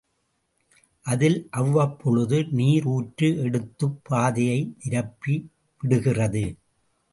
அதில் அவ்வப்பொழுது நீர் ஊற்று எடுத்துப் பாதையை நிரப்பிவிடுகிறது.